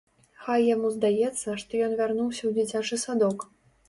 Хай яму здаецца, што ён вярнуўся ў дзіцячы садок.